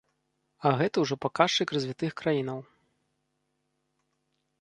А гэта ўжо паказчык развітых краінаў.